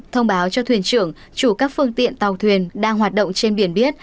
thông báo cho thuyền trưởng chủ các phương tiện tàu thuyền đang hoạt động trên biển biết